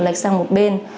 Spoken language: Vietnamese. lệch sang một bên